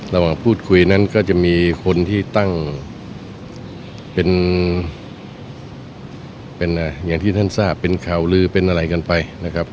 ระหว่างพูดคุยนั้นก็จะมีคนที่ตั้งเป็นอย่างที่ท่านทราบเป็นข่าวลือเป็นอะไรกันไปนะครับ